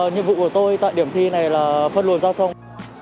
nhiệm vụ của tôi tại điểm thi này là phân luận giao thông